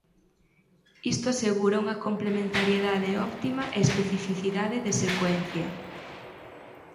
Isto asegura unha complementariedade óptima e especificidade de secuencia.